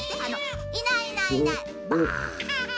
「いないいないいないばあ」。